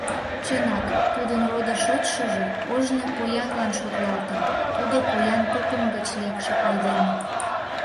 Чынак, тудын родо-шочшыжо ожно поянлан шотлалтын, тудо поян тукым гыч лекше айдеме.